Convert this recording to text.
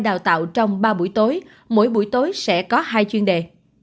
đào tạo trong ba buổi tối mỗi buổi tối sẽ có hai chuyên đề